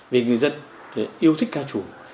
vì người dân yêu thích ca trù